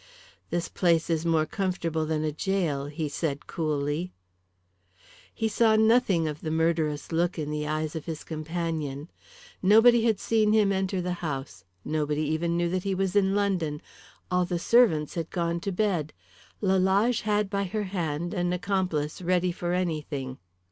"This place is more comfortable than a gaol," he said coolly. He saw nothing of the murderous look in the eyes of his companion. Nobody had seen him enter the house, nobody even knew that he was in London. All the servants had gone to bed. Lalage had by her hand an accomplice ready for anything.